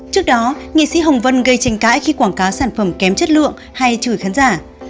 trước đó nghệ sĩ hồng vân gây tranh cãi khi quảng cáo sản phẩm kém chất lượng hay chửi khán giả